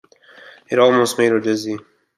It almost made her dizzy.